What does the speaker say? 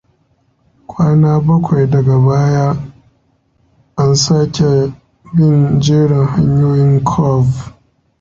Kwana bakwai daga baya an sake bin jerin hanyoyin CoV.